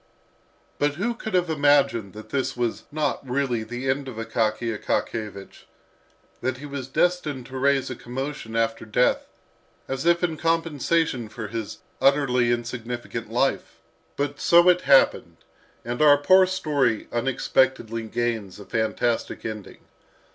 But who could have imagined that this was not really the end of Akaky Akakiyevich, that he was destined to raise a commotion after death, as if in compensation for his utterly insignificant life? But so it happened, and our poor story unexpectedly gains a fantastic ending.